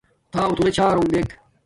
تھݳ اتھُلݺ چھݳرݸݣ دݵک.